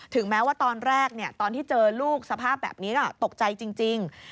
แม้ว่าตอนแรกตอนที่เจอลูกสภาพแบบนี้ก็ตกใจจริง